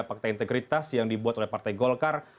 fakta integritas yang dibuat oleh partai golkar